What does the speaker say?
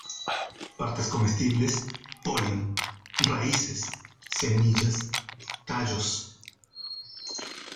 Partes comestibles: polen; raíces; semillas; tallos.